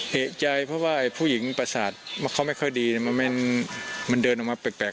เอกใจเพราะว่าผู้หญิงประสาทเขาไม่ค่อยดีมันเดินออกมาแปลก